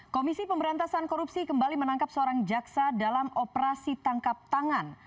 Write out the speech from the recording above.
komisi pemberantasan korupsi kembali menangkap seorang jaksa dalam operasi tangkap tangan